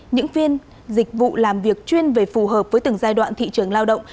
những phiên dịch vụ làm việc chuyên về phù hợp với từng giai đoạn thị trường lao động